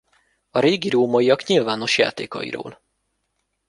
A régi rómaiak nyilvános játékairól.